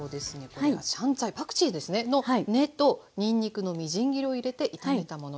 これは香菜パクチーですねの根とにんにくのみじん切りを入れて炒めたものです。